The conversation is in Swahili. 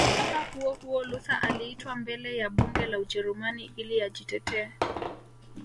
Mwaka huohuo Luther aliitwa mbele ya Bunge la Ujerumani ili ajitetee